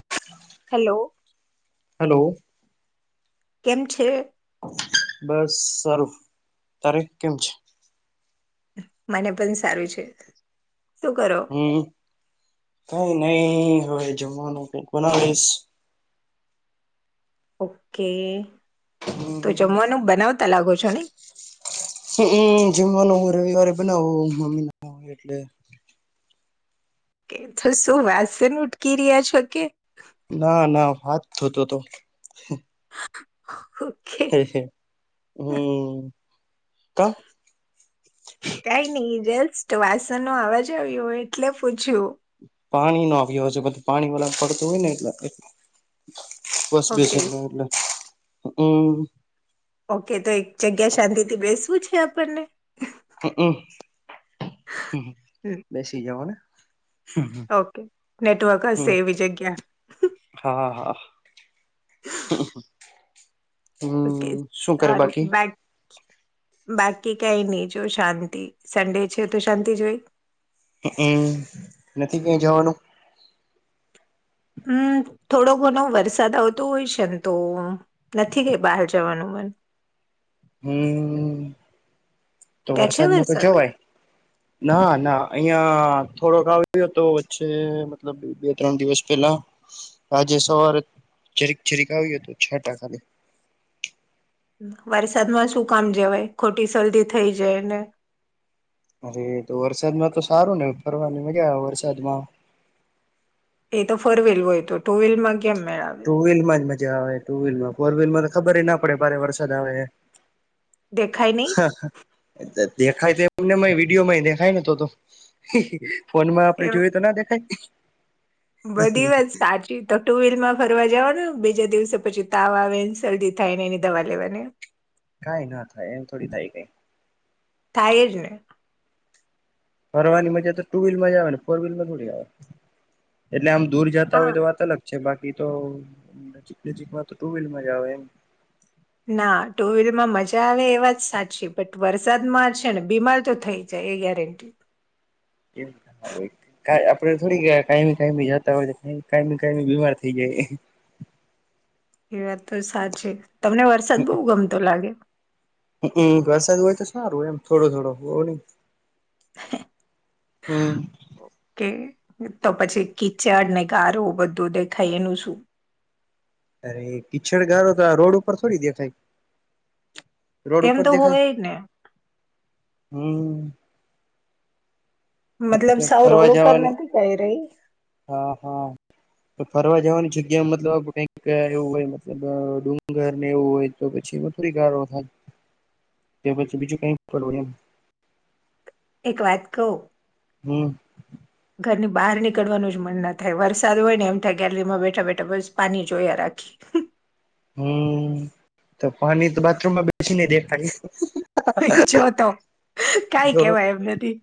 [unintelligible] Hello hello કેમ છે. બસ સારું તારીખ કેમ છે. મને પણ સારું છે શું કરો? હમ કઈ નઈ હવે જમવાનું કઈ. [unintelligible] ઓકે તો હમ જમવાનું બનાવતા લાગો છો ને. હમ! જમવાનું હું રવિવારે બનાવ મમ્મી ના એટલે. કે તો શું વાસન ઉટકી રહ્યા છો કે? ના ના હાથ ઘોતો હતો. [inaudible] [unintelligible] કઈ નઈ જેસ્ટ વાસણ નો અવાજ આવ્યો હોય એટલે પૂછ્યું. પાણી નો આવ્યો છેધું પાણી વાળા પડતું હોય ને એટલે. બસ બે ઓકે એટલે હમ. ઓકે તો એક જગ્યા શાંતિથી બેસવું છે આપણને. હમ હ હમ, બેસી જાઓ ને. ઓકે નેટવર્ક હસે હમ એવ જગ્યા. હા હા! ઓકે હમ શું કરે સારું બાકી? બા બાકી કઈ નહી જો શાંતિ સંડે છે તો શાંતિ જોઈ. હમ નથી કં જવાનું? હમ થોડો ઘણો વરસાદ આવતો હોય છે ને તો. નથી કઈ બહાર જવાનું મન. હમ, તો ત્યાં છે વરસાદમાં તો વરસાદ જવાય. ના ના અહિયાં થોડોક આવ્યો હતો વચ્ચે મતલબ બે ત્રણ દિવસ પેલા. આજે સવારે જરીક જરીક આવ્યો હત છ ટાકાની. વરસાદમાં શું કામ જવાય ખોટી શરદી થઇ જાયને. અરે તો વરસાદમાં તો સારું ને ફરવાની મજા આવે વરસાદમાં. એ તો ફોર વ્હીલ હોય તો ટુ વ્હીલમાં કેમ મેળ આવે. ટુ વ્હીલ માં જ મજા આવે ટુ વ્હીલ માં. ફોર વ્હીલમાં તો ખબર ના પડે ભારે વરસાદ આવે. દેખાય નહી હા હા! દેખાય તો એમને વિડીયોમાંય દેખાય નને તો. ફોન માં આપડે એ જોયું તો ના દેખાય. બધી વાત સાચી. તો ટુ વ્હીલ માં ફરવા જવાનું બીજા દિવસે પછી તાવ આવે ને શરદી થાયને એની દવા લેવાની. કઈ ના થાય એમ થોડી થાય કઈ. થાય જ ને. ફરવાની મજા તો ટુ વ્હીલમાં જ આવે ને ફોર વ્હીલમાં થોડી આવે. એટલે આમ દૂર જતા હા હોય તો વાત અલગ છે બાકી તો નજીક નજીક માં તો ટુ વ્હીલમાં જ આવે એમ. ના ટુ વ્હીલર માં મજા આવે એ વાત સાચી બટ વરસાદમાં છે ને બીમાર તો થઈ જ. જઈ એ ક્યારેક. એ હોય. કય આપડે થોડી કાયમી કાયમી જતા હોય કાયમી કાયમી બીમાર થઈ જાયે. એ વાત તો સાચી તમને વરસાદ બહુ ગમતો લાગે. હમ વરસાદ હોય તો સારુંય એમ થોડો થોડો બોવ નહી. [inaudible] હમ. કે તો પછી કીચડ ને ગારું બધું દેખાય એનું શું. અરે કીચડ ગારો તો આ રોડ ઉપર થોડી દેખાય. રોડ એમ ઉપર તો દેખાય હોય ને હમ. મતલબ સાવ ફરવા રોડ ઉપર જવાની નથી કહી રહી. હા હા. તો ફરવા જવાની જગ્યા મતલબ કઈક એવું હોય મતલબ ડુંગર ને એવું હોય.. તો પછી વપરી કાઢવાનું કે પછી બીજું કઈ ખોલવું એમ. એક વાત કઉ. હમ. ઘર ની બહાર નીકળવાનું જ મન ના થાય વરસાદ હોય ને એમ થાય ગેલરીમાં બેઠા બેઠા બસ પાની જોયા રા. [unintelligible] હમ તો પાણી તો બાથરૂમમાં બેસીને દેખાય. હય જોતો કાંઈ તો કેવાય એમ નથી.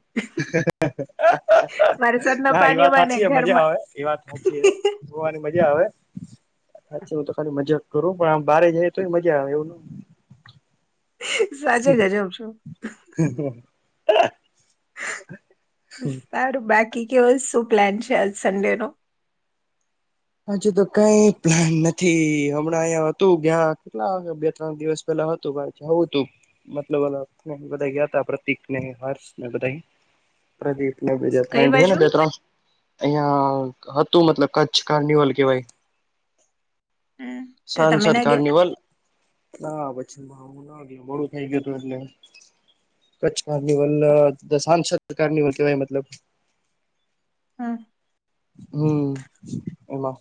વરસાદ ના એ પાની વાત માં ને સાચી હ મજા ઘરમાં. આવે એ વાત હોચી હે જોવાની મજા આવે હાચુ તો ખાલી મજ. કરુ પણ આમ બહારે જઈ તો મજા આવે એવું. સાચે ગજબ છો. હમ. સારું બાકી કેવો શું પ્લાન છે આ સંડે નો. હજુ તો કઈ પ્લાન નથી હમણાં અહીંયા હતું ગ્યાં કેટલા બે ત્રણ દિવસ. પેલા હતું બહાર જાઉ હતું. મતલબ બધાય ગ્યા તા પ્રતિક ને હર્ષ ને બધાય. પ્રદીપ ને બીજા કઈ ફ્રેન્ડ છે ને બાજુ બે ત્રણ અહિયાં હતું મતલબ કચ્છ. કાર્નિવલ કેવાય હમ તો તમે સાંસદ ના ગયા કાર્નિવલ. ના પછીમાં હું ના ગયો મોડું થઈ ગ્યુ તુ એટલે. કચ્છ કાર્નિવલ અ સાંસદ કાર્નિવલ કેવાય મતલબ. હા. હમ એમાં.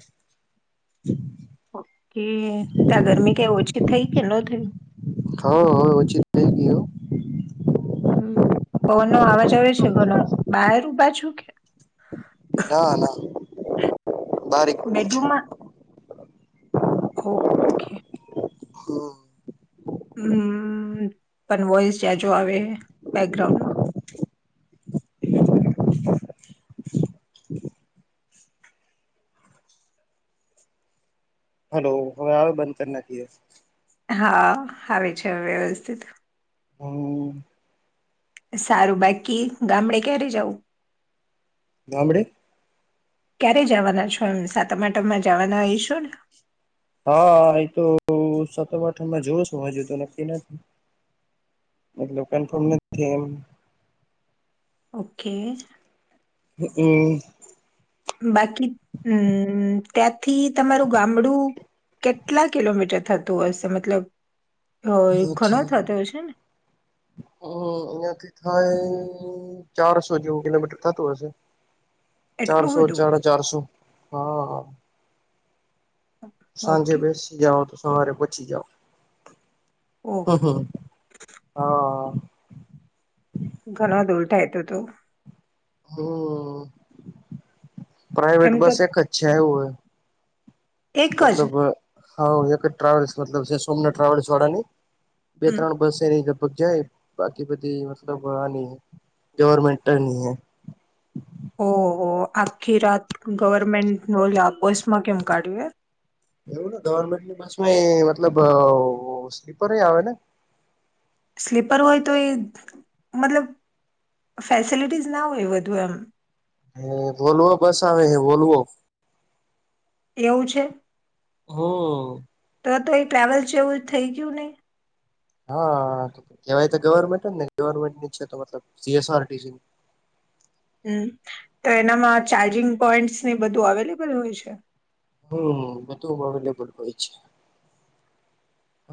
કે ત્યાં ગરમી કેવું? ઓછી થઈ કે ન થઈ? હ હ ઓચિત થઈ ગીયું. હમ. પવન નો અવાજ આવે છે ઘનો. બહાર પાછું ના ના બારીક બે છે હોવ. હમ. હમ પણ વોઇસ જાજો આવે બેકગ્રાઉન્ડમાં. [unintelligible] હલો હવે આવ બંધ કર નાખીએ. હા આવે છે હવે વ્યવસ્થિત. હમ. સારું બાકી ગામડે ક્યારે જવું? ગામડે ક્યારે જવાના છો? સાતામાટામાં જવાના એ ઇચ્છું ન હા એ તો સત પાઠણમાં જોવ છું હજુ તો નક્કી ન મતલબ [unintelligible] કેમ? ઓકે. હમ-અ બાકી હમ ત્યાંથી તમારું ગામડું કેટલા કિલોમીટર થતું હશે મતલબ? અ ઘણો થતો હછ-હમ- હશે ને અઈયાથી થાય ચારસો જેવું કિલોમીટર થતું હશે. એટલું ચારસો બધું ચાડા ચારસો. હા. સાંજે ઓકે બેસી જાઓ તો સવારે પછી જાઓ. ઓહ હમ-હ હ ઘણો દુલટાય તો તું હમ. એમ પ્રાઈવેટ તો બસ એક જ છે એવું હોય. એક જ મતલબ હા સોમનાથ ટ્રલ્સ વાળા ની બે હમ ત્રણ બસ એની લગભગ જાય. બાકી બધ મતલબ આ ન ગવરમન્ટ ન એ. ઓહ આખી રાત ગવર્મેન્ટ નો લેબોસ્ટમાં કેમ કાઢ્યું. એવું ને ગવર્મેન્ટની બસમાં મતલબ સ્લીપર આવે ને. સ્લીપર હોય તો એ મતલબ ફેસિલિટીસ ના હોય બધુ એમ. હ બોલવો બસ આવે હે બોલવો. એવું છે. હ. તો તો એ ટ્રાવેલ છે એવું થઇ ગયું નહીં. હા કેવાય તો ગવર્મેન્ટ જ ને ગવર્મેન્ટ ની છે તો મતલબ સી એસઆરસી. હમ તો એનામાં ચાર્જિંગ પોઈન્ટસ ને બધું અવેલેબલ હોય છે. હમ બધું અવેલેબલ હોય છે.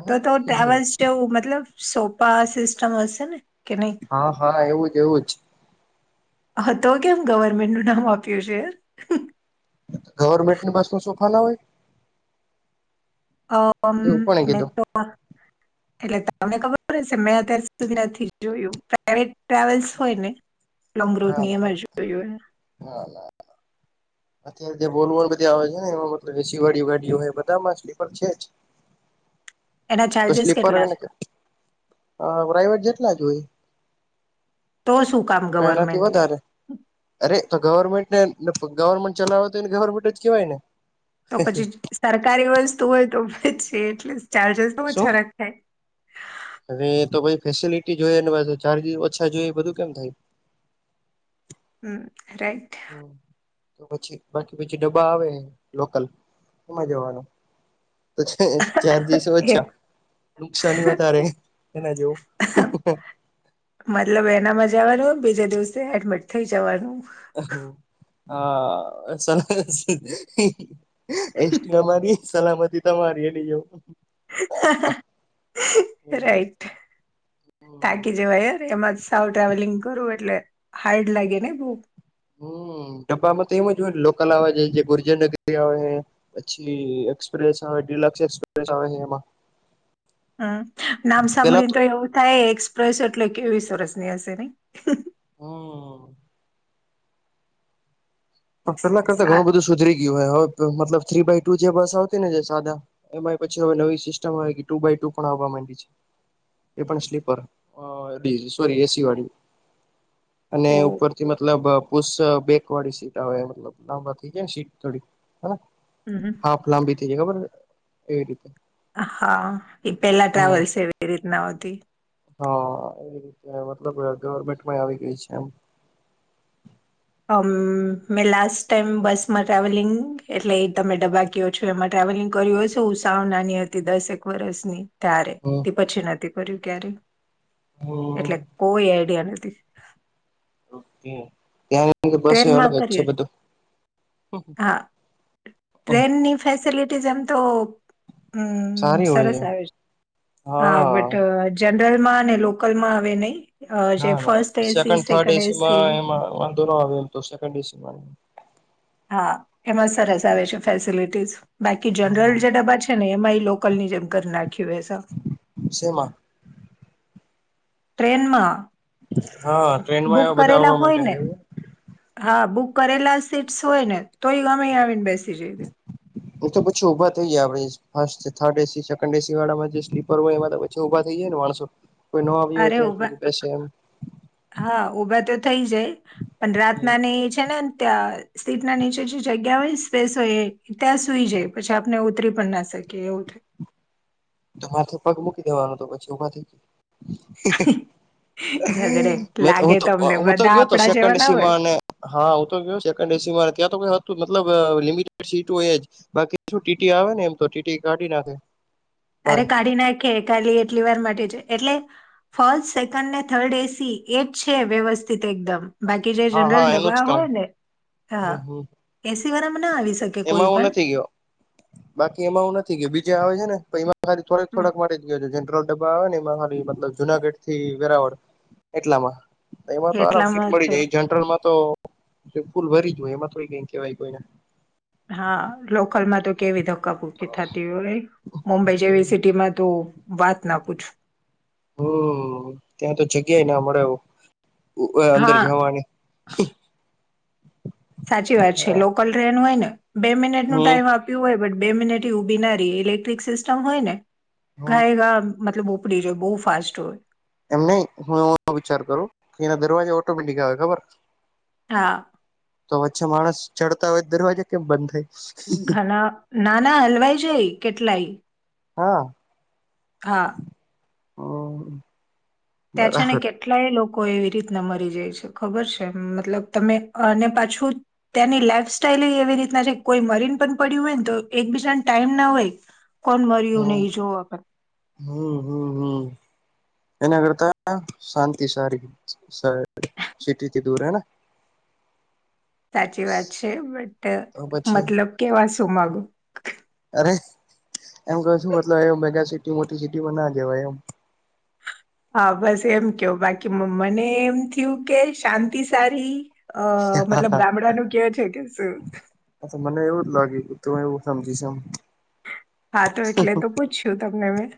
તો તો તવા જેવું મતલબ સોફા સિસ્ટમ હશે ને? કે નહી હા હા એવું જ એવું જ. હા તો કેમ ગવર્મેન્ટ નું નામ આપ્યું છે. ગવર્મેન્ટની બસ ન સોફા ના હોય. અ એવું કોણે મે કીધું તો. એટલે તમને ખબર હો છે મેં અત્યાર સુધી નથી જોયું. પ્રાઈવેટ ટ્રાવેલ્સ હોય ને લોંગ રૂટ ની ના એમજ જોયુંને. હા. અત્યારે જે બોલવલ બધી આવે છે ને એમાં મતલબ એસી વાળી ગાડીઓ હો બધા માં સ્લીપર છે જ. એના તો ચાર્જસ સ્લીપર કેટલા છે? ના કે હ પ્રાઈવેટ જેટલા જ હોય તો શું કામ કનાથી ગવર્મેન્ટ યાર વધારે. અરે તો ગવર્મેન્ટને ગવર્મેન્ટ ચલાવ તોને ગવર્મેન્ટ જ કેવાય ને. તો પછી સરકારી વસ્તુ હોય તો પછી એટલે ચાર્જસ તો ઓછા રકાય ખાય અને એ તો પછી ફેસિલિટી જોઈ નેછ ચાર્જસ ઓછા જોઈ બધું કેમ થાય હમ રાઈટ. હ તો પછી બાકી પછી ડબ્બા આવે લોકલ. સમમાં જવાનું. તો ચાર્ દસો એ અછા નુકસાની વધારે એના જેવ. મતલબ એનામાં જવાનું બીજા દિવસે એડમિટ થઈ જવાનું હા એન્ટ્રી અમારી સલામતી તમારી એ ન એવ હમ રાઈટ હમ તાકી જવાય યાર એમાં સાવ ટ્રાવેલિંગ કરવું એટલે હાર્ડ લાગે ને બહુ હમ્મ ડબ્બામાં તો એમ જ હોય લોકલ આવે છે જે ગુર્જર નગરી આવે પછી એક્સપ્રેસ આવે ડિલક્ષ એક્સપ્રેસ આવે છે એમાં હમ્મ નામ સાંભળી ને તો એવું થાય એક્સપ્રેસ એટલે કે કેવી સરસ ની હશે નહી હમ્મ પણ પેલા કરતા ઘણું સારું બધું સુધરી ગયું હોય હવે મતલબ થ્રી બાય ટુ જે બસ આવતી ને જે સાદા એમાંય પછી હવે નવી સિસ્ટમ આવે કે ટુ બાય ટુ પણ આવવા માંડી છે એ પણ સ્લીપર ડી સોરી એસી વાળી અને ઓ, ઉપરથી મતલબ પુષ બેક વાળી સીટ હ મતલબ લાંબા થઇ જાય ને સીટ થોડી હ હમ્મ હમ્મ હાફ લાંબી થઈ જાય ખબર એવી રીતે હા એ પેલા હમ ટ્રાવેલ્સ છે એ રીતના આવતી હા એ રીતે મતલબ ગવર્મેન્ટમાં આવી ગઈ છે એમ અમમ મેં લાસ્ટ ટાઈમ બસમાં ટ્રાવેલિંગ એટલે તમે ડબા એમાં ટ્રાવેલિંગ કર્યું હશે ઉ સાવ નાની હતી દસક વરષની ત્યારે હ તે પછી નથી કર્યું ક્યારે હમ એટલે કોઈ આઈડિયા નથી ત્યાં કે બસ અલગ ટ્રેનમાં જ છે કર્યું બધું હા ટ્રેનની ફેસિલિટીઝ એમ તો હમ્મ સારી સરસ હોય આવે છે હા બટ જનરલ માં અને લોકલમાં આવે નહી અ જે ના ના first AC second third AC એસીમાં એ વાંધો નો એમ તો સેકન્ડ એસીમાં હા એમાં સરસ આવે છે ફેસિલિટીસ બાકી જનરલ જે ડબ્બા છે ને એમાં લોકલ ની જેમ કરી નાખ્યું હસ સેમા ટ્રેનમાં હા ટ્રેનમાં બુક આવા બધા કરેલા આવવા હોય માટે ને આવ હા બુક કરેલા સીટ્સ હોય ને તોય ગમે આવીને બેસી જઈ દે એ તો પછી ઊભા થઈ જાય આપણે હર્ થર્ડ એસી સેકન્ડ એસી વાળામાં જે સ્લીપર હોય એમાં બચછે ઊભા થઈ જાય ને માણસો કોઈ ન આવી હોય અરે ત્યાં ઉભા સુધી બેસે એમ હા ઉભા તો થઈ જાય પણ રાતના ને છે ને ત્યાં સીટના ના નીચે જે જગ્યા હોય ને સ્પેસ હોય એ ત્યાં સુઈ જાય પછી આપને ઉતરી પણ નાસે કે ઉઠે તો મારથી પગ મૂકી દેવાનું તો પછી ઉભા થઈ ગય ઝઘડે મે હું લાગે તમને હું તો બધા ગયો તો આપડા સેકન્ડ જેવા ના હોય સીમાને હા હું તો ગયો સેકન્ડ એસી ત્યાં તો ક હતું મતલબ લિમિટેડ સસી તો એજ બાકી શું ટીટી આવે ને એમ તો ટીટી કાઢી નાખે તરે ભારે કાઢી નાખે કાલી એટલી વાર માટે છે એટલે ફોલ્સ સેકન્ડ ને થર્ડ એસી એ જ છે વ્યવસ્થિત એકદમ બાકી જે હા હા જનરલ એનું ડબ્બા જ કામ હોય ને હા હમ હમ એસી વાળામાં ના આવી શકે કોઈ એમાં હુ પણ નથી ગયો બાકી એમાં હ નથી ગયો બીજે આવે છે ને થોક હમ થોડાક માટે જ ગયો છો જનરલ ડબ્બા આવે ને મતલબ જુનાગઢ થી વેરાવળ એટલામાં. એમાં તો આરામ સીટ એટલામાં મળી તો જાય એ જનરલમાં તો ફૂલ ભરી જ હોય એમાં થોડી કઈ કેવાય કોઈને. હા લોકલમાં તો કેવી ધક્કાબુકી થતી હોય મુંબઈ જેવી સિટીમાં તો વાત ના પૂછું. હમ્મ ત્યાં તો જગ્યાય ના મળે અંદર હા જવાની. સાચી વાત છે લોકલ ટ્રેન હોય ને બે મિનિટ નું હમ ટાઈમ આપ બે મિનટ ઉભી ના રેય ઇલેક્ટ્રિક સિસ્ટમ હોય ને ગાય ગ મતલબ ઉપડી જો બહુ ફાસ્ટ હોય. એમ નહી હું વિચાર કરું કે એના દરવાજા ઓટોમેટિક આવે ખબર હા. તો વચ્ચે માણસ ચડતા હોય દરવાજે કેમ બંધ થાય. ઘણા ના ના હલવાઈ જાય કેટલાય. હા. હા. હમ્મ. તે છેને કેટ કેટલાય લોકો એવી રીતના મરી જાય છે ખબર છે મતલબ તમે અને પાછું ત્યાંની લાઈફ સ્ટાઈલ એવી રીતના છે કોઈ મરીન પણ પડ્યું હોય ને તો એકબીજાને ટાઈમ ના હોય. કોણ મર્યું નહી જો પણ. હમ્મ હમ્મ હમ્મ. એના કરતા શાંતિ સારી સારી. સિટીથી દૂર હૈ. સાચી વાત છે બટ પછી મતલબ કેવા શું માગો? અરે એમ ક શું મતલબ મેગા સિટી મોટી સિટી બ ના જવાય એમ. હા બસ એમ કેયો બાકી મને એમ થયું કે શાંતિ સારી. અ મતલબ હા ગામડાનું કેવ છે કે હા મને એવું જ લાગ્યું તું એવું સમજીશમ હા તો એટલે તો પૂછશું તમને મેં.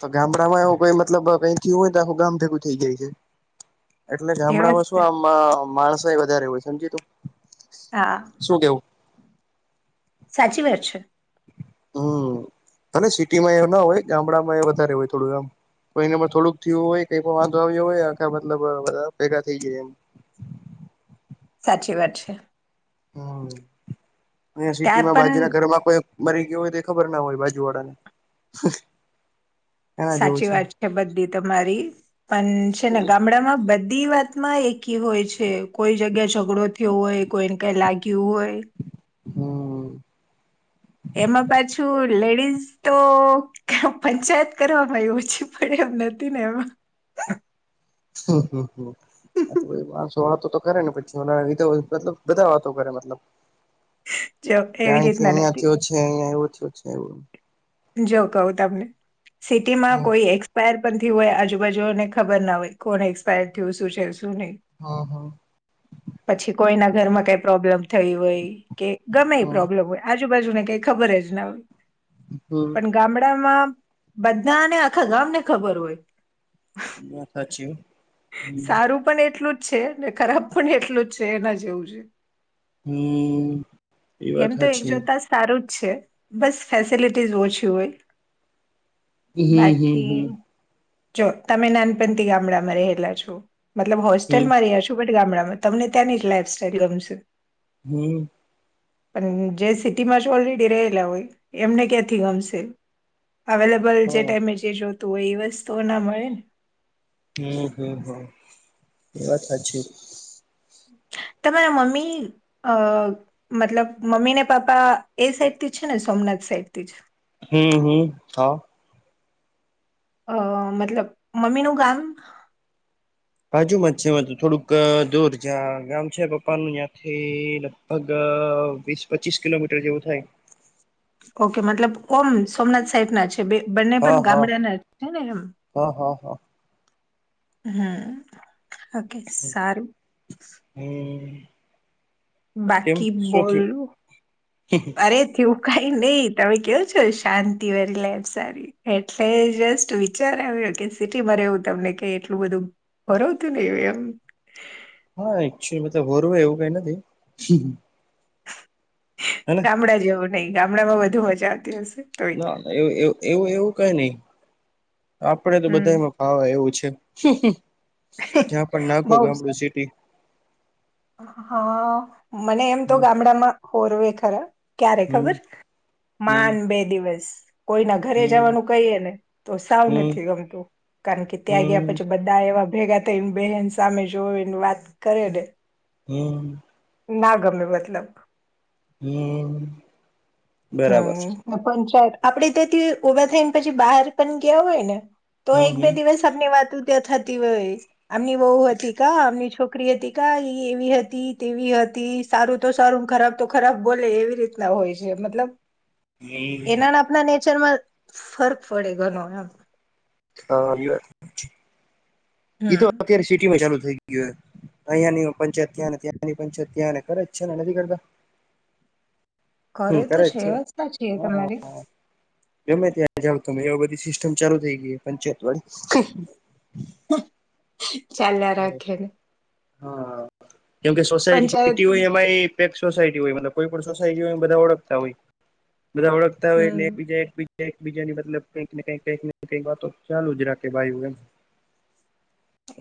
હ ગામડામાં એવું કઈ મતલબ કઈયું હોય તો આખું ગામ ભેગું થઈ જાય છે. એટલે એવા જ ગામડામાં શું ને આ માણસાઈ વધારે હોય હા. શું કેવું? સાચી વાર છે. હમ્મ અને સિટીમાં એ ના હોય ગામડામાં એ વધારે હોય થોડું આમ. કો એને થોડુંક થયું હોય કઈ પણ વાંધો આવ્યો હોય આખા મતલબ બધ ભેગા થઈ જાય એમ. સાચી વાત છે. હ અ સિટી ત્યાં માં પણ બાજુના ઘરમાં કોઈ મારી ગયો હોય તે ખબર ના હોય બાજુ વાળાને. એના જેવું સાચી વાત છે બધી તમારી પણ છે ને ગામડામાં બધી વાત. માં એકી હોય છે કોઈ જગ્યા ઝઘડો થયો હોય કોઈને કઈ લાગ્યું હોય. હમ્મ. એમાં પાછું લેડીઝ તો પંચાયત કરવામાં એ ઓછી પડે એમ નથી ને એમાં. હમ્મ હમ્મ. તો પાસો વાતો તો કરે ને પછીીધ મતલબ બધા વાતો કરે મતલબ જો એવી ક્યાંય રીતના અહિયાં નથી થયો છે અહિયાં એવું થયયો છે એવું જો કહું તમને સિટીમાં હમ કોઈ એક્સપાયર પણ થયું હોય આજુબાજુને ખબર ના હોય કોણ એક્સપાયર્ડ થયું શું છે શું નહી હા હા. પછી કોઈના ઘરમાં કઈ પ્રોબ્લેમ થય હોય કે ગમે એ હા પ્રોબ્લેમ હોય. આજુબાજુ ને કઈ ખબર જ હમ ગામડા માં બધા ને આખા ગામ ને ખબર હોય. એ સાચી. હમ સારું પણ એટલું જ છે ને ખરાબ પણ એટલું જ છે એના જેવું છે. હમ એ વાત એમ તો એક સાચી જોતા સારું જ છે બસ ફેસિલિટીઝ ઓછી હોય હ હમ હમ હ બાકી જો તમે નાનપથી ગામડામાં રહેલા છો મતલબ હમ હોસ્ટેલમાં રહ્યા છો ટ ગામડામાં તમને ત્યાંની જ લાઈફ સાઈલ ગમશે હમ પણ જે સિટી માં જ ઓલરેડી રહેલા હોય એમને ક્યાંથી ગમશે અવેલેબલ જે હા ટાઈમે જે જોતું હોય એ વસ્તુઓ ના મળે ને હમ હમ હમ એ વાત સાચી તમારા મમ્મી અ મતલબ મમ્મી ને પાપા એ સાઈડ થી જ છે ને સોમનાથ સાઈડ થી જ હમ હમ હ અ મતલબ મમીનુંું ગામ બાજુમાં જ છે તો થોડુંક દૂર જ ગામ છે પપ્પાનું ત્યાંથી લગભગ વીસ પચીસ કિલોમીટર જેવું થાય ઓકે મતલબ ઓમ સોમનાથ સાઈટ ના છે બંને પણ હા હા ગામડાના છે ને એમ હા હા હા હમ ઓકે સારું હમ કેમ બાકી શું થયું બોલું અરે થયું કઈ નહીિ તમે કેવો છો શાંતિ વરી લેબ સારી એટલે જસ્ટ વિચાર આવ્યો કે સિટીમાં રહેવું તમને કે એટલું બધું કર તો નને વમ હા એચલી મતલબ હોરુંય એવું કઈ નથી હેને ગામડા જેવું નહિ ગામડા માં વધુ મજા આવતી હશે તોય ના ના એવ એવું એવું કઈ નહી આપડે તો હમ બધામાં ફાવા એવું છે જ્યાં પણ બઉ નાખો જ ગામડું સિટી હા મને એમ તો હમ ગામડામાં હોરવે ખરા ક્યારે હમ ખબર હમ માન બે દિવસ કોઈના ઘરે હમ જવાનું કહીએ ને તો સાવ હમ નથી ગમતું કારણ કે ત્યાં ગયા હમ પછી બધા એવા ભેગા થઈને બહેન સામે જોવે એને વાત કરે ને હમ ના ગમે મતલબ હમ બરાબર હમ પણ સા આપડે તથી ભા થાયને પછી બહાર પણ ગયા હોય ને તો હમ એક બે હમ દિવસ અમની વાત ત્યાં થતી હોય અમની બહુ હતી કા અમની છોકરી ક હતી કા ઈ એવી હતી તેવી હતી સારું તો સારું ખરાબ તો ખરાબ બોલે એવી રીતે એટલા હોય છે મતલબ એનાના આપણા નેચરમાં ફર્ક પડે ઘણ એમ હા એ હમ તો અત્યારે સિટી માં ચાલુ થઈ ગ અહિયાયા ની પંચાયત ત્યાંને ત્યાંની પંચાયત ત્યાંને ખરે જ છે ને નથી કરતા હમ ઘરે તો કરે જ છે વ્યવસ્થા છે હા તમારી ગમે ત્યાં જાવ તમે એ બધી સિસ્ટમ ચાલુ થઈ ગઈ પંચાયત વાળી ચાલ વાળી રાખેને હા કેમકે સોસાયટી પંચાયત સટી હોય એ ે સોસાયટી હોય કોઈ પણ સોસાયટી હોય બધા ઓળખતા હોય બધા ઓળખતા ય હમ એકીજા એકજા એકબીજાની મતલબ કઈક કઈ કઈક કઈક વાતો ચાલુ જ રાખે ભું એમ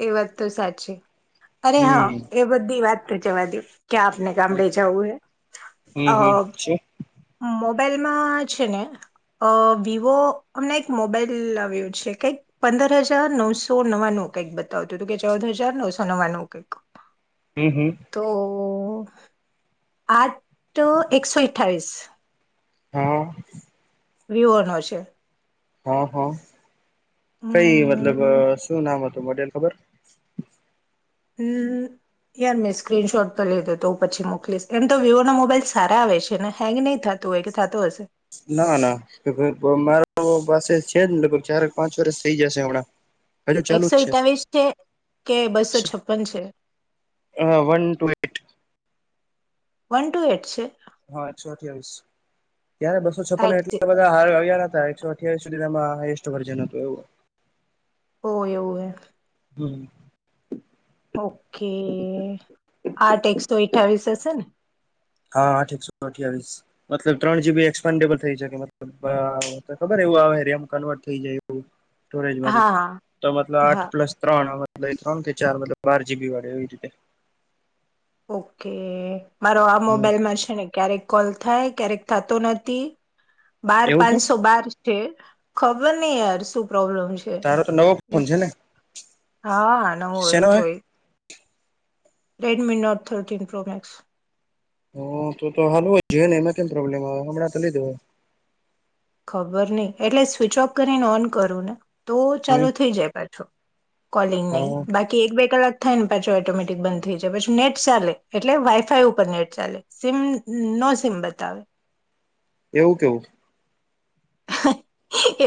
એ વાત તો સાચી અરે હા હમ એ બધી વાત તો જવા દઉ ક્યા આપને કામ લેચા હ હૈ અ છેી મોબાઈલમાં છે ને અ વિવો અમને એક મોબાઈલ લાવ્યો છે કઈક પંદર હજાર નવસો નવાનું કંઈક બતાવતું હતું કે ચૌદ હજાર નવસો નવાનું કઈક હમ હમ તો આઠ એકસો અઠ્ઠાવીસ હા વિવોનો છે હા હા કઈ મતલબ હમ શું નામ હતું મોડેલ ખબર એ યાર મેં સ્ક્રીનશોટ તો લીધે તો હું પછી મોકલીશ એમ તો વિવો ના મોબાઈલ સારા આવે છે ને હેંગ નહીં થાય તો હોય કે થતો હશે ના ના મારો પાસે છેને લગભગ ચાર પાંચ વર્ષ થઈ જશે હમણાં હજુ ચાલુ એકસો જ એકતાલીસ છે કે બસો છે છપન છે one two eight one two eight છે હા એકસો અઠવીસ યાર બસો છપન એટ એટલા હ અ્યા હતા એકસો અઠ્યાવીસ સુધી એમાં હસ્ટ વર્જન હતું એવું હો એ હોવે હમ ઓકે આઠ એકસો અઠાવીસ હશે ને હા આઠ એકસોો અઠ્યાવીીસ મતલબ ત્રણ જીબી એક્સપેન્ડેબલ થઈ શકે મતલબ ખબર એવું હ રેમ કન્વર્ટ થઈ જાય હા સ્ટરેજ હા તો મતલબ હા આઠ પ્લસ ત્રણ ત્રણ થી ચાર મતલબ બાર જીબી વાળે એવી રીતે ઓકે મારો આ હમ મોબાઈલ મારશે ને ક્યારેક કોલ થાય ક્યારેક થતો નથી બાર એવું કેમ પાંચસો બાર છે ખબર નહ યાર શું પ્રોબ્લેમ છે તારો તો નવો ફોન છે ને હા નવું હોય શેનો હે તોય Redmi not thirteen pro max હ તો હાલ હો જ ને એમાં કેમ પ્રોબ્લેમ આવે હમણાં તો લીધું હોય ખબર નહી એટલે સ્વચ ઓફ કરીને ઓન કરું ને તો હમ ચાલુ થઈ જાય પાછો કોલિંગ નહી હા બાકી એક બે કલાક થાય ને પાછો ઓટોમેટિક બંધ થઈ જાય પછી નેટ ચાલે એટલે વાઈફાઈ ઉપર નેટ ચાલે સીમ નો સિમ બતાવે એવું કેવું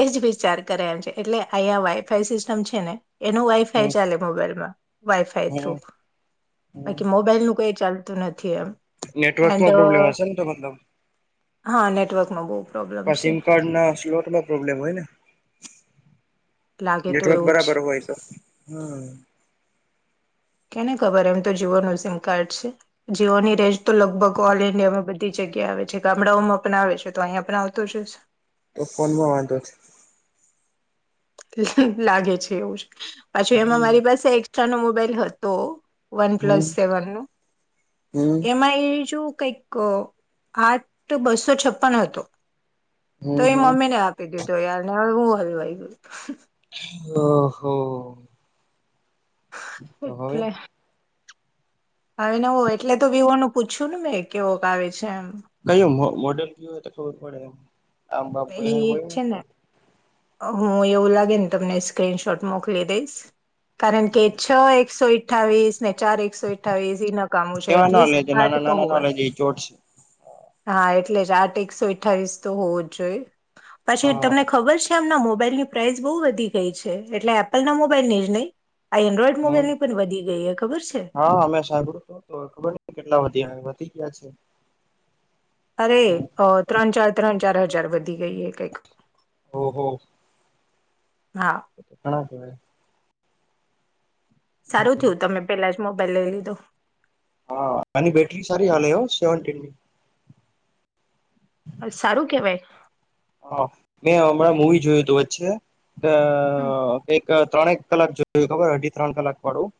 એજ વિચાર કરે એમ છે એટલે અહીયા વાઈફાઈ સિસ્ટમ છે ને એનો વાય હમ ચાલે મોબાઈલમાં વાઈફાઈ થ્રુ હમ બાકી મોબાઈલ નું કઈ ચાલ નથી એમ એન્ડ નેટવર્કમાં પ્રોબ્લેમ હશે ને તો મતલબ હા નેટવર્ક નો બહક સિમ કાર્ડ ના સ્લોટમાં પ્રોબ્લેમ હોયને લાગે તો નેટવર્ક એવું જ બરાબર હોય તો હ કેને ખબર એમ તો જીવો ન સિમ કાર્ડ છે જીઓની રેન્જ તો લગભગ ઓલ ઈન્ડિયામાં બધી જગ્યા આવે છે ગામડાઓમાં પણ આવે છે તો અહીિયાંયા પણ આવતું જ તો ફોન માં વાંધો છે લાગે છે એવું હમ પાછું એમાં મારી પાસે એકસ્ટ્રા નો મોબાઈલ હતો one hmm plus seven hmm hmm એમાં એજ કંઈક આઠ બસો છપ્પન હતો. તો એ હમ મમ્મી ને આપી દીધું યારને હવે હું હલ. ઓહ. હવે એટલે. આવેને હો એટલે તો વિ નું પૂછ્યું ને મેં કેવો ક આવે છે એમ. કયું મોડેલ કયું હોય તો ખબર પડે એ આમ બાપ એ હોયને છે તો. ને હું એવું લાગે ને તમને સ્ક્રીનશોટ મોકલી દઈશ કારણ કે છ એકસો અ્ઠાવીસ ને ચાર એકસો અઠ્ઠાવીસ ન કામું છે એવા ના લેજે એટલીસ્ટ આઠ નાના તો નાના હોવા ના જ. લેજે ચોટશે હા એટલે જ આઠ એકસો અઠવીસ તો હોવો જ જોઈએ પછી હા તમને ખબર છે. એમના મોબાઈલની પ્રાઇસ બહુ વધી ગઈ છે એટલે એપલ ના મોબાઈલ ને જ નહી. આ એન્ડ્રોઈડ હમ મોબાઈલ ની પણ વધી ગઈ હ ખબર છે. હા અમે સાહેબડો છો. તો ખબર છે કેટલા વધ્યા વધી ગયા છે. અરે ત્રણ ચાર ત્રણ ચાર હજાર વધી ગઈ એ કંઈક. ઓ હો. હા. ઘણા. સારું થયું તમે પેલા જ મોબાઈલ લઈ લીધો. હા અને બ બેટરી સારી હા હો સેવનનની. સારું કેવાય. હા મેં હમણાં મૂવી જોયું હતું વચ્ચે. હમ ત્રણેક કલાક જોય ખબર અઢી ત્રણ કલાક વાળું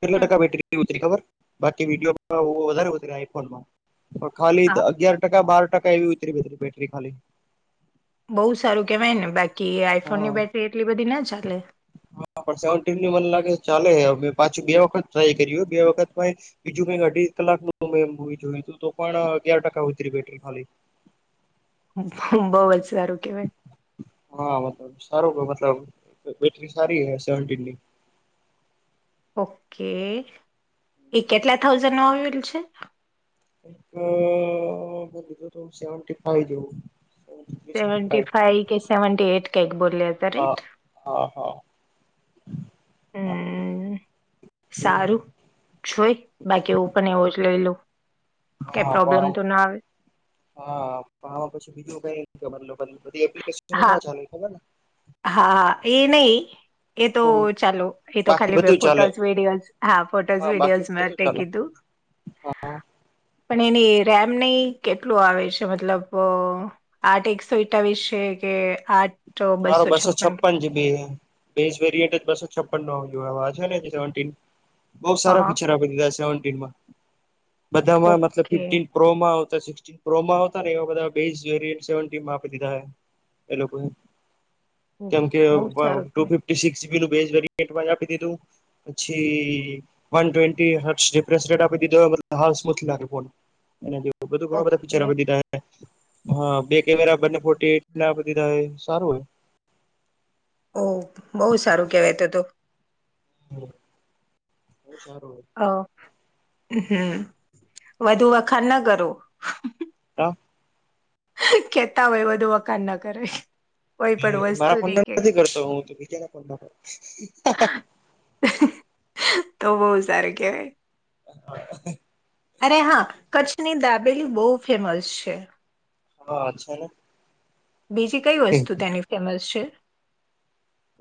કેટલા હમ. ટકા બેટરીતરી ખબર. બાકી વિડીયો વધ વધ આઈફોનમાં પણ ખાલી હા અગયાર ટકા બાર. ટકા એવી ઉતરી બે બેટરી ખાલી. બઉુ સારું કેવાય ને બાકી આઈફોન ની બેટરી એટલી બધી ના ચાલે. સેવટીનવ મ લાગે ચાલે મે પાછું બે વખત ટ્રાય કર્યું બે વખત બીજું કઈક અઢી કલાક મે જોયું તો પણ અગિયાર ટકા ઉતરી બેટરી ખાલી. બહુ જ સારું કેવાય. હા મતલબ સારું મતલબ બેટરી સારી હ સેવનટીન ની. ઓકે એ કેટલા થઉઝન્ડ નો આવેલ છે. એક મેધું સેવટી ફાઈવ લેવુ. સેવન્ટી ફાઈવ કે સેવન્ટી એટ ક એક બોલ્યા હતા રે. હા હા હા. હમ. સારું જોઈ બાકી એવું પણ એવું જ લઈ લઉ. કઈ હા પ્રોબ્લેમ પણ તો ના આવે હા પછી બીજું કઈ બદલો બ બધી એપ્લિક હા ના ચ ખબર ને. હા હા એ નહી. એ તો ચાલો એ તો બાકી ખાલી બધું ચાલે ફોટોસ વિડીયોઝ હા ફોટોસ હા બાકી વિડીયોઝ બધું ચાલે કીધું. હા. પણ એની રેમ નહ કેટલું આવે છે મતલબ. આઠ એકસો એકાવસ છે કે આઠ બસ મારો બસો છપ્પન બે વેરન્ટસો છપન નો આવ બ હા સારા હા ફીચર આપી દીધાેવ બધામાં મતલબ ફ ઓકે પ્રોમાતા સ પ્રોમા આવતા ને એવા બધા બે વે સેવ આપી દીધા હે. એ લોકો. કેમ કે બહુ સારું કે દીધું. પછી વન ટ્વેન્ટી હટ્ઞ રિફ્રેશ રેટ આપી દીધો હાઉ સ્મૂથ લાગે ફોન એ બધ ઘ બધા ફિકચર ઓકે બીધા હ બે કેમેરા બ ટે ના દીધા સારું હોય. ઓહ બહઉુ સારું કેવાય તો તો. બો સારું અ હમ વધુ વખાણ ના કરો હ કેતા હોય બધું વખાણ ના કરે કોઈ પણ મારા વસ્તુની ફોનમા કે નથી કરતો હું તો બીજાના ફોનમાં તો બહુ સારું કેવાય હા અરે હા કચ્છની દાબેલી બહુ ફેમસ છે. હા અચ્છા ને બીજી કઈ વસ્તુ ત્યાંની ફેમસ છે?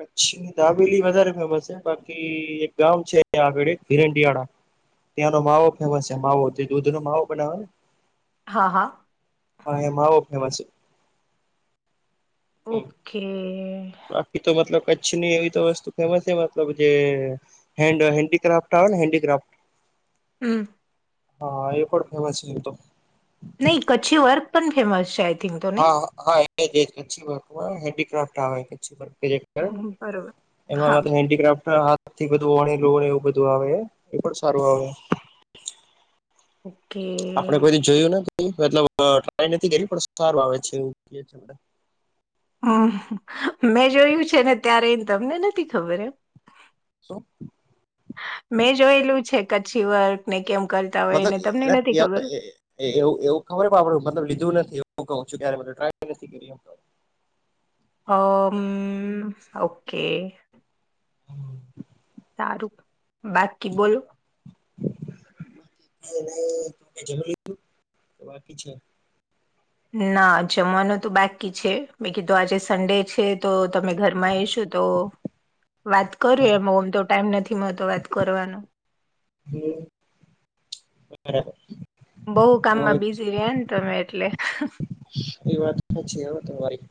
કચ્છ ની દાબેલી વધારે ફેમસ છે બાકી એક ગામ છે, આગળ હિરડિયાળા ત્યાંનો માવો ફેમસ છે માવો જે દૂધ નો માવો બનાવે ને હા હા હા એ માવો ફેમસ છે. ઓકે બાકી તો મતલબ કચ્છની એવી તો વસ્તુ ફેમસ છે મતલબ જે હેન્ડ હેન્ડીક્રાફ્ટ આવે ને હેન્ડીક્રાફ્ટ હમ હા એ પણ પણ ફેમસ છે તો ન કચ્છી વર્ક પણ ફેમસ છેય હા હા એજ એજ કચ્છી વર્ક હો હેન્ડીક્રાફ્ટ આવે કચ્છી વર્ક એ જ હા બરોબર એમાં હા તો હેન્ડીક્રાફ્ટ હા થી બધું વણીલું ને એવું બધું આવે એ પણ સારું આવે. ઓકે. આપડે કોઈ દી જોયું નથી મતલબ ટ્રાય નથી કરી પણ સારું આવે છે એવું. હમ મેં જોયું છે ને ત્યારે એ તમને નથી ખબર એમ. શું? મેં જોયેલું છે કચ્છી વર્ક ને કેમ કરતા હોય મતલબ ને તમને નથી એના ખબર. એવું એવું ખબર આપડે મતલબ લીધું નથી એવું કહું છું ટ્રાય નથી. હ ઓકે. સારું બાકી બોલો. જમી લીધું બાકી છે? ના જમવાનો તો બાકી છે મે કીધું આજે સન્ડે છે તો તમે ઘરમાં એ શું તો. [inaudible] વાત કરુ એમ ઓમ તો ટાઈમ નથી મળતો વાત કરવાનો. હમ. બરાબર. બઉ તો કામમાં બિઝી રહ્યા ને તમે એટલે. એ વાત તો છે હો તમારી.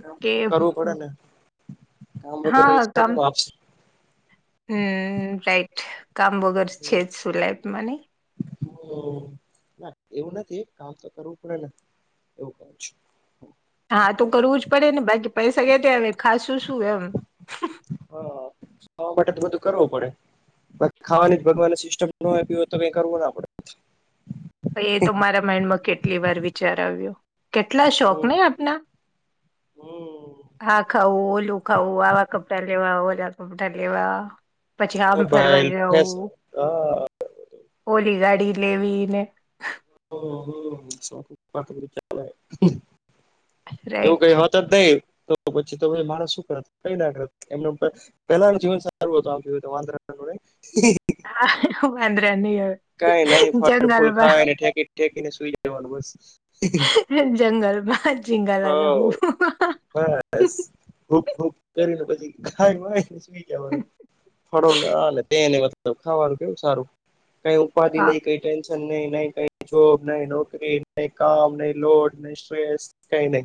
કામ તો કરવું પડે ને. કામ વગર હા પૈસા કામ કેમ આવશે? હમ રાઈટ કામ વગર છે જ શું લાઈફમાં ની ના એવું નથી કામ તો કરવું પડે ને એવું કવુ છુ. હા તો કરવું જ પડે ને બાકી પૈસા ક્યાંથી આવે ખાસું શું એમ. હા ખાવા માટે તો બધું કરવું પડે બાકી ખાવાની જ ભગવાનને સિસ્ટમ ન આપી હોય તો કઈ કરવું ના પડે. એ તો મારા માઇન્ડમાં કેટલી વાર વિચાર આવ્યો કેટલા શોખ હમ નઈ આપના. હમ. હા ખાવું ઓલું ખાવું આવા કપડાં લેવા ઓલા કપડાં લેવા. પછી આમ ફરવા મોબાઈલ ફેશન જવું. હા ઓલી ગાડી લેવી ને. એવું રાઈટ કઈ હ તો દઈ તો પછી તો મારા શું કરે કઈ ના કરે એમ. પેલાનું જીવન સારું હતું આમ [unintelligible] [unintelligible] કાઈ નઈ ફળ ફૂલ જંગલમાં ખાયને ઠેકી ઠેકીને સુઈ જવાનું બસ. જંગલમાં જીંગા લાલા હવ હું બસ હૂબ હૂબ કરીને પછી ખાય [unintelligible] [unintelligible] ફળો ને આ ને તેને મતલબ ખાવાનું કેવું સારું કઈ ઉપાધિ હા નઈ કઈ ટેન્શન નહી નઈ કઈ જોબ નઈ નોકરી નઈ કામ નઈ લોડ નઈ સ્ટ્રેસ કઈ નઈ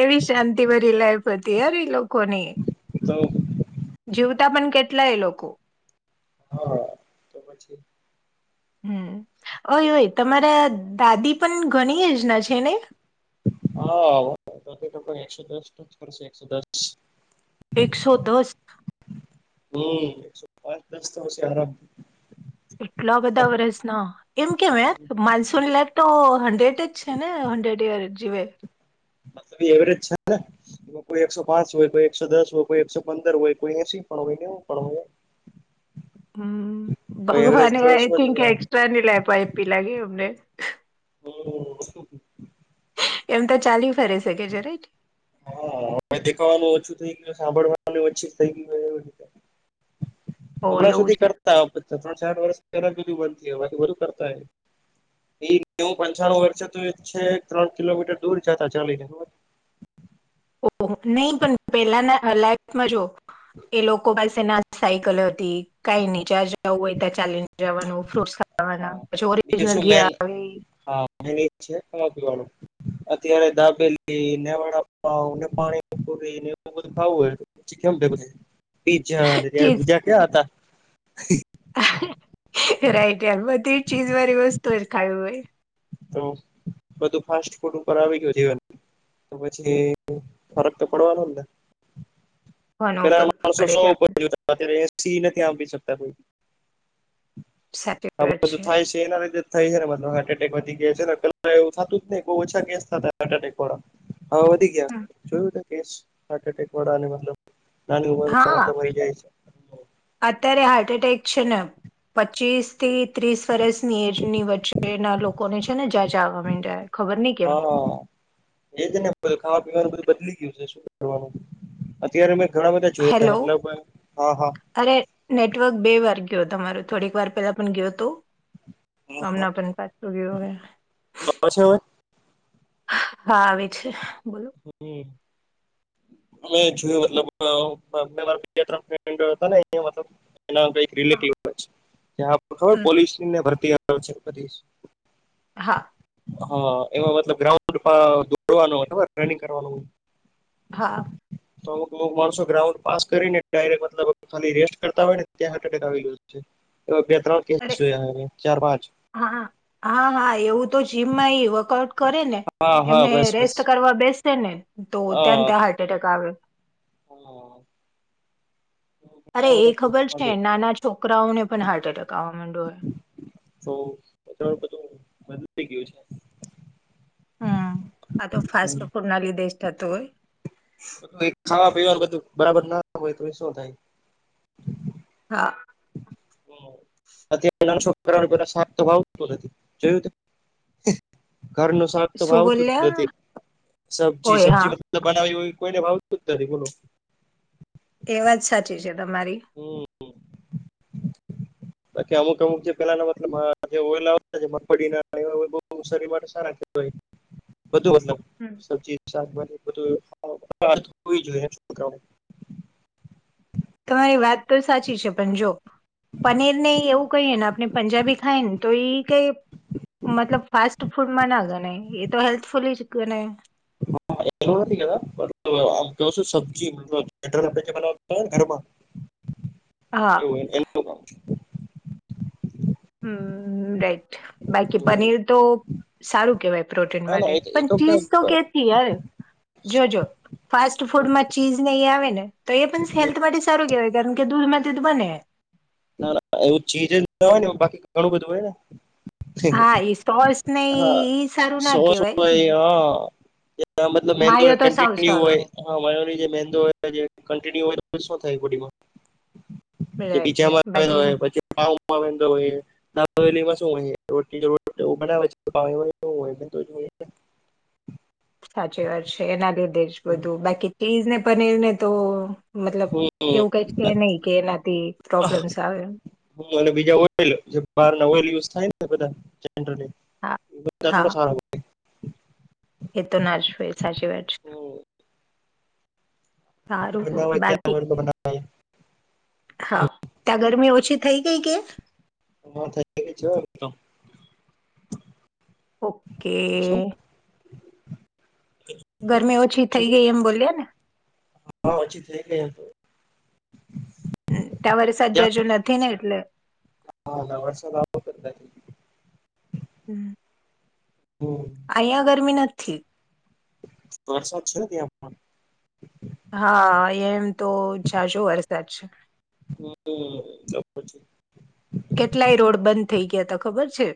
એવી શાંતિ ભરી લાઈફ હતી યાર એ લોકોની. તો. જીવતા પણ કેટલા એ લોકો. હા તો પછી. હમ ઓય ઓય તમારા દાદી પણ ઘણી એ જ ના છે ને. હા તો તો એકસો દસ જ કરશે એકસો દસ. એકસો દસ. હમ પાંચ દસ તો [unintelligible] આરામ. એટલા બધા વર્સના. એમ કેમ એ માનસોની લાઈફ તો હન્ડ્રેડ જ છે ને હન્ડ્રેડ ઇયર જીવે. મતલબ ઈ એવરેજ છે ને એમાં કોઈ એકસો પાંચ હોય કોઈ એકસો દસ હોય કોઈ એકસો પંદર હોય કોઈ એસી પણ હોય નેવું પણ હોય હમ તો એવરેજ ભગવાને તો આઈ શું થિંક જોઈએ એક્સ્ટ્રા ની લાયપી લાગે અમને હમ એમ તો ચાલી ફરી શકે છે રાઈટ હા હવે દેખાવાનું ઓછું થઈ ગયું સાંભળવાનું ઓછી થઈ ગયું એવી રીતે ઓ હમણાં સુધી એવું છે કરતા ત્રણ ચાર વર્ષ પહેલા સુધી બનતી હથી વધુ કરતા હોય એ નેવું પંચાનું [unintelligible] તો છે ત્રણ કિલોમીટર દૂર જતા ચાને ઓ હો નઈ પણ પેલાના લાઈફમાં જો એ લોકો પાસે ના સાયકલ હતી કાઈ ની જા જવું હોય તા ચાલી જવાનું ફ્રૂટસ ખાવાના હા પછી બીજું ઓરિજનલ શું ઘી મેન આવે હા એ જ છે ખાવા પીવાનું અત્યારે દાબેલી ને વાડાપાવને પાણી પુરીને એવું બધું ખાવું હોય [unintelligible] કેમ કે બધું પીજા ને ત્યારે ચીઝ બીજા ક્યા હતા રાઈટ યાર બધી ચીજ વાળી વસ્તુ ઓ જ ખાઈ હોય તો બધું ફાસ્ટ ફૂડ ઉપર આવી ગયું જીવન તો પછી ફરક તો પડવાનો ને કોનો પેલા ઉપર માણસો પડે સો છે [unintelligible] અત્યારે એસી નથી આપી શકતા કોઈ સાચી આ વાત બધું થાય છે એના રીતે થાય છેને મતલબ હાર્ટ એટેક વધી ગયા છે ને એવું થતું જ ને બહુ ઓછા કેસ થતા હાર્ટ એટેક વાળા અવ વધી ગયા જોયું તું કેસ હાર્ટ એટેક વાળાને મતલબ નાની હા [unintelligible] અત્યારે હારટ અટાક છેષન પચીસ થી ત્રીસ વર્ષની એજની વચ્ચેના લોકોને છે ને જ જાા મ જાય હા હા એજ ને ખાવા પીવાનું બધું બદલી ગયું છે શું કરવાનું અત્યારે મેં ઘણા બધા જોયા હેલો મતલબ મેં હા હા અરે નેટવર્ક બે વાર ગયો તમારો થોડીક વાર પહેલા પણ ગયો તો આવે આમના પણ પાછું કે વ પાછ હોય હા આવે છે બોલો હમ મે જોયું મતલબ ત્રણ એના કઈક રિલેટ હા, હો્યા ખબર હમ પોલીસને ભરતી આવે છેી હા. હા એમાં મતલબ ગ્રાઉન્ડ દોડવાનું રનિંગ કરવાનું. હા. [inaudible] તોુ બુ માણસો ગ્રાઉડ પાસ કરીને ડાયરેક્ટ મતલબ ખાલી રેસ્ટ કરતા હોય ને ત્યાં હટેક આવી ગ છે બે ત્રણ અરે કેસ જોયા ચાર પાંચ હા હા હા એવું તો જીમમાં વર્કઆઉટ કરે ને હા હા એમને બસ બસ રેસ્ટ કરવા બેસે ને તો ત્યાં ત્યાં હાર્ટ એટેક આવે હ અરે એ કેસ ખબર છે મળે નાના છોકરાઓને પણ હાર્ટ એટેક આવવા માંડ્યો હોય તો બધું બદલાઈ ગયું છે હમ આ તો ફાસ્ટ ફૂડનાલી દેશ થતતોય ખાવા પીવાનું બધું બરાબર ના હોય તો શું થાય હા ોાવ નથી જોયું ઘર નું શાક તો શું વાવતું જ બોલ્યા નથી સબજી હોય હા સબજી બનાવી હોવી કોઈને ભાવું જ નથી બોલો એ વાત સાચી છે તમારી. હમ. બાકી અમુક અમુક જે પેલાના મતલબ જે ઓલા [unintelligible] બો શરિર માટે સારા બધું મતલબ હમ. [unintelligible] શાકભાજી [unintelligible] જોઈએ. [unintelligible] તમારી વાત તો સાચી છે પણ જો પનીરને એવું કહીએ ને આપણે પંજાબી ખાય ને તો ઈ કઈ મતલબ ફાસ્ટ ફૂડમાં ના ગણાય એ તો હેલ્થફુલ જ ગણાય. એ નથી [inaudible] આમ કેવો છુ. સબ્જી [inaudible] બનાતા હોય ને ઘરમાં. હા [inaudible] એવું એનું કામ. Hmm right. બાકી પનીર તો સારું કેવાય. પ્રોટીન ના ના માટે એ તો એ પણ ચીઝ કાંઈ તો કેથી યાર. જોજો ફાસ્ટ ફૂડમાં ચીઝ નહી આવે ને તો એ પણ હેલ્થ સારું કેવાય કારણ કે દૂધમાંથી બને. ના ના એવું ચીજ જ ન હોય ને બાકી ઘણું બધું હોય ને. હા એ સોસ ને હા. ઈ સારું [inaudible] ના સોસ કહેવાય હોય હ. મતલબ મેંદો માયો તો સાવ કન્ટિન્યુ સારું હોય હા. [unintelligible] જે મેંદો હોય કનટીયુ હોય શું થાય? [unintelligible] હો [unintelligible] પછી ભાવમાં [unintelligible] હોય. ના હવેલીમાં શું હોય [unintelligible] બનાવે છે હોય. [unintelligible] સાચી વાત છે એના લીધે જ હમ બધું બાકી ચીઝને પનીર ને તો મતલબ હમ એવું કઈ છે નહી કે એનાથી પ્રોબ્લેમ્સ આવે એમ. હ અને બીજા ઓઇલ જે બહારના ઓલ યુઝ થાય ને બધા જરલી. હા હા. એ તો ના જુંએ સાચી વાત છે. હોય સારું બનાવે બાકી ત્યાં બનાવે હા ત્યાં ગરમી ઓછી થઈ ગઈ કે? હમણાં થઈ ગઈ છે એમ તો. ઓકે. શું ગરમી ઓછી શું થઈ કે ગઈ એમ બોલીએ ને. હા, ઓછી થઈ ગઈ એ તો. હમ્મ, ત્યાં વરસાદ જાજું નથી ને એટલે. હા, ના વરસા દ કરતા હમ્મ. અહિયાં ગરમી નથી. તો વરસાદ છે ને ત્યાં પણ? હા, એમ તો ઝાઝો વરસાદ છે. હમ્મ, તો પછી. કેટલાય એ રોડ બંધ થઇ ગયા હતા ખબર છે?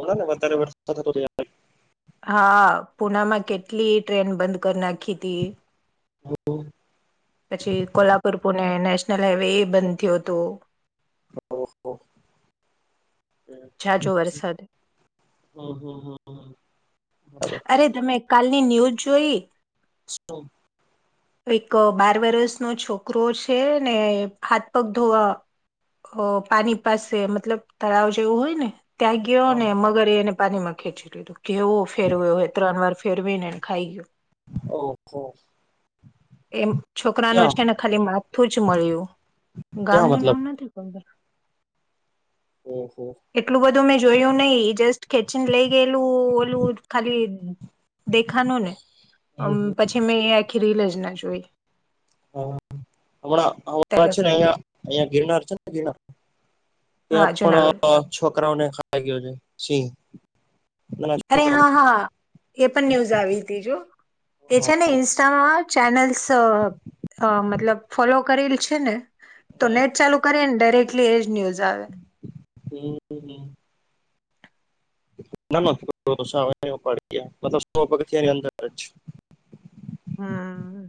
અમણાને વધારે વરસાદ [inaudible] હા પુનામાં કેટલી ટ્રેન બંધ કરી નાખી હતી. [inaudible] પછી કોલ્હાપુર પુણે નેશનલ હાઈવે બંધ થયું તું. હો, હો. હૈ ઝાઝો હમ્મ, વરસાદ હમ્મ, હમ્મ, હમ્મ બરાબર. અરે તમે કાલની ન્યૂઝ જોઈ? શું? એક અહ બાર વરષનો છોકરો છે ને હાથપગ ધોવા ઓ પાણી પાસે મતલબ તળાવ એવું હોય ને ત્યાં ગયો હા ને હા મગરે એને પાણીમાં ખેંચી લીધું. કેવો ફેરવ્યો હોય ત્રણ વાર ફેરવી ને એને ખાઈ ગયો. ઓહ હો. એમ છોકરાનો છે ને ખાલી માથું જ મળ્યું. ગામ ક્યાં નું મતલબ નામ નથી કોન બે. ઓ હો. એટલું બધું મેં જોયું નહી જસ્ટ ખેચીને લઈ ગયેલું ઓલું ખાલી દેખાનો ને. હમ્મ, અમ હમ્મ. પછી મેં એ આખી રીલ જ ના જોઈ. હા હમણાં હમં ત્યારે છે ને અહિયા અહિયાં ગિરનાર છે ને ગિરનાર હા ત્યાં પણ જુનાગઢ અહ છોકરાઓને ખાઈ ગયો છે સિંહ. નાના અરે છોકરાઓને હા હા એ પણ ન્યૂઝ આવી તી જો. તે છે ને ઇન્સ્ટામાં ચેનલ્સ અહ હા મતલબ ફોલો કરેલ છે ને તો હા નેટ ચાલુ કરી ને ડાયરેક્ટલી એજ ન્યૂઝ આવે. હમ્મ, હમ્મ. ના ના ઉપડી ગયા સો પગથી એની અંદર જ. હા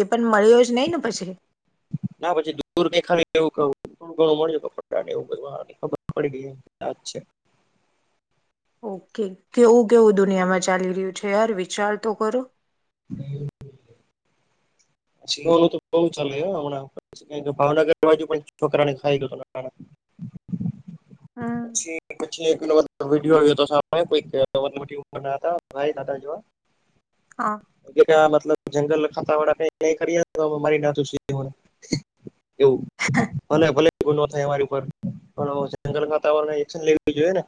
એ પણ મળ્યો જ નહી ને પછી? ના પછી દૂર ક ખાલી એવું કવું. ઘણું મળ્યું ને એવું બ ખબર પડી ગઈ એ આજ છે. ઓકે કેવું કેવું દુનિયામાં ચાલી રહ્યું છે યાર વિચાર તો કરો સિહોનુંું તો બહ ચાલે હમણાં ભાવનગર બાજુ પણ છોકરા ને ખાઈ ગયો હમ પછી પછી એલો વીડીયો આવ હતો સા કોઈ મો ઉર ના ભ દાદા જોવા. હા. એટલે કે મતલબ જંગલ ખાતા વાળ ન કરી મારી નાંખ્યું સીધું આને. એવું ભલે ભલે એવ ન થાય અમારી ઉપર પણ જંગલ વાતાવરણ એક્શન લેવી જોઈએ ને.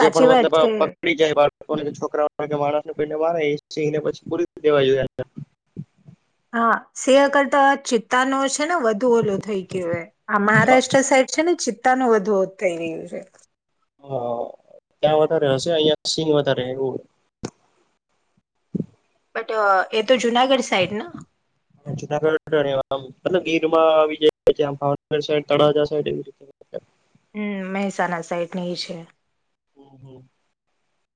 જે પણ વાત મતલબ છે પકડી જાય વાઘ. છોકરાઓ કે માણસ ને પને મારે એ સ ને પછ પૂરી દેવા જો હા સે કરતા ચિત ચતા નો છે ને વધુ ઓલો થઈ ગયો આ અ મહારાષ્ટ્ર સાઈડ છે ને તાનું વધુ થઈ રહ્યું છે હ ત્યાં વધારે હશે અહિયાં સિંહ વધારે એવું બટ એ તો જુનાગઢ સાઈડ ના જુનાગઢ ગીરમાં આવી જમ ભાવનગર સાઈ તળાજા સાઈડવી રીતે હમ મહેસાણા સાઈડની છે ઓહ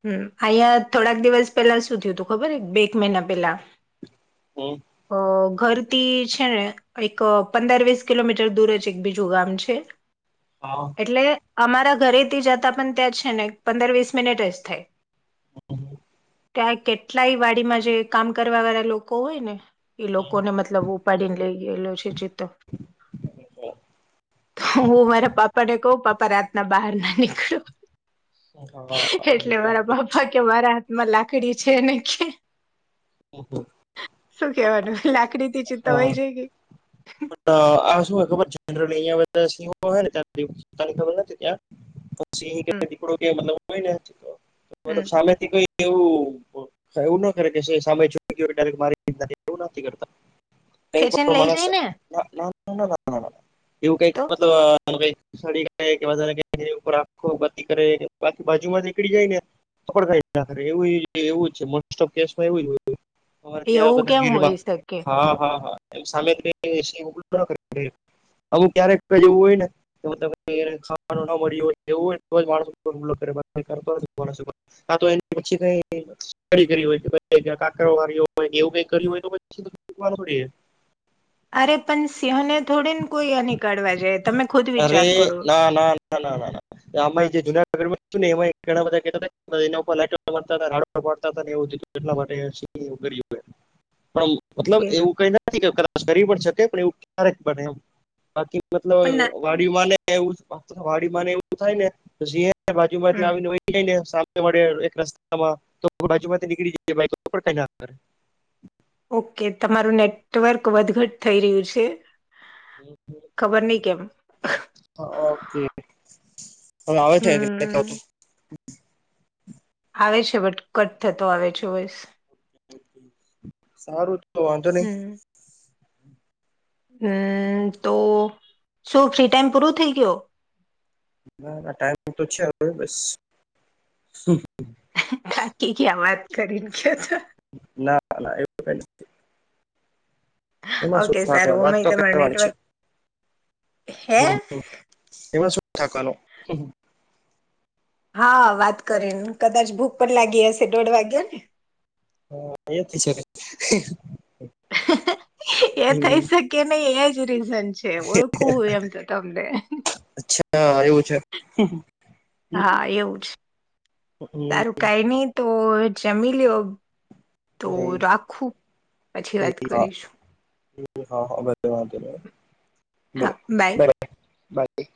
હમ અહિયાં થોડાક દિવસ પેલા શું થયું તું ખબર બે એક મહિના પેલા હમ અ ઘરથી છે ને એક પંદર વીસ કિલોમીટર દૂર જ એક બીજું ગામ છે હા એટલે અમારા ઘરે ત જતા પણ ત્યાં છે ને પંદર વીસ મિનિટ રસ્ટ થાય હ ત્યાં કેટલાય વાડીમાં જે કામ કરવા વાળા લોકો હોય ને એ લોકોને મતલબ ઉપાડીને લઈ ગયેલો છે ચિત્તો તો હું મારા પાપા ને કવ પાપા રાતના બહાર ના નીકળ્યો હા એટલે મારા પાપા કે મારા હાથમાં લાકડી છેને કે હહા શું કેવાનું લાકડી થી હા ચિતતવાય જ ગ શું હોય ખબર જર અ બધા સિંહો હોયને પોની ખબર નથી ત્યાં સિહ કે હમ દીકડો કે મતલ હોય નેી હમ મતલ સામેથી કોઈ એવું એવું ના કરે કે સામેક મારી એવ નથી કરતા કઈ ખેંચીને પણ લઈ માણસ જાય ને ના ના ના ના ના ના એવું કઈક તો મતલબ કડી કે કખો ગતિ કરે બાકી બાજુમાં નીકળી જાય ને કડ એ એવું છેમાંરે ત્યાં એવું બધા કેમ હોઈ ગીરમાં શકે હા હા હા એમ સામેું ક્યારેકઈ જેવું હોય ને એ ત ખાવાનું ના મળ્યું હોય એવું હોને તો માણસ કરેતો મા હા તો એની પછી કઈ કરી હોય કે કાકરો વાર્યો હોય એવું કઈ કર્યું હોય તો પછીવાનું અરે પણ સિંહને થોડી ને કોઈની કાઢવા જાય તમે ખુદ અરે વિચાર કરો ના ના ના ના ના ના આમાં જે જુનાગઢ માં ને એમાં ઘણા બધા કેતા એના લ પાડતા હતાને એવ એટલા માટે સિ પણ મતલબ કે એવું કઈ નથી કે કદાચ કરી પણ શકે પણ એવું ક્યારેક બને એમ બાકી મતલબ પણ ના વાડીમાંને એવું વાડી ને એવું થાય નેી બાજુ માંથી હમ આવીને જ ને તમા એક રસ્તામાં તો બાજુમાં નીકળી જ બાકો કઈ નાે ઓકે તમારું નેટવર્ક વધઘટ થઈ રહ્યું છે. ખબર નહીં કેમ. ઓકે. હવે આવે છે કે નથ આવતો? હમ આવે છે બટ કટ થતો આવે છે વસ સારું તો વાંધો નઈ હમ હમ તો શું ફ્રી ટાઈમ પૂરું થઇ ગયો ના ના ટાઈમ તો છેવે બસ થાકી ગયા આ વાત કરીને કયો છો ના ના એવું કાંઈ નથ એમાં શું ઓકે સારું થાકવાનું વાત અમે તો તમારું કરવાની છે. નેટવર્ક હે હમ હમ એમાં શું થાકવાનું. [inaudible] હા વાત કરીને કદાચ ભૂખ પણ લાગી હશે દોઢ વાગ્યો ને. હા એ થઈ શકે [inaudible] એ થઈ શકે નહી એજ રીઝન છ છે. ઓળખું હું એમ તો તમને. હા એવું છે. હમ હમ હા એવું જ. તારું કાઈ નહીં તો જમી લ્યો. તો અરે રાખું. પછી વાત કરીશ. એ હા હા ભલે વાંધો હા નહીં. બાય [inaudible] બાકી?